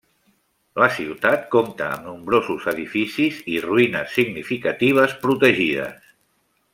La ciutat compta amb nombrosos edificis i ruïnes significatives protegides.